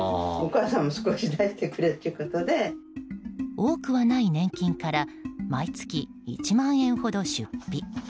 多くはない年金から毎月１万円ほど出費。